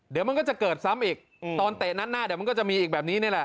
เดี๋ยวมันก็จะเกิดซ้ำอีกตอนเตะนัดหน้าเดี๋ยวมันก็จะมีอีกแบบนี้นี่แหละ